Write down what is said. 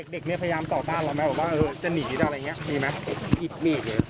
เด็กเนี่ยพยายามต่อต้านเราไหมบอกว่าจะหนีได้อะไรอย่างเงี้ยมีไหม